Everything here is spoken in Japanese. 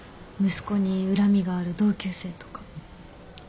息子に恨みがある同級生とか？